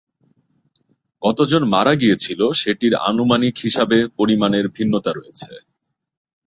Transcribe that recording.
কত জন মারা গিয়েছিল সেটির আনুমানিক হিসাবে পরিমাণের ভিন্নতা রয়েছে।